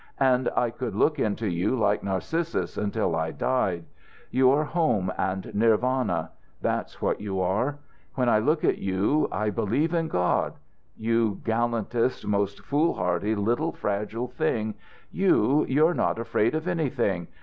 'And I could look into you like Narcissus until I died. You are home and Nirvana. That's what you are. When I look at you I believe in God. You gallantest, most foolhardy, little, fragile thing, you, you're not afraid of anything.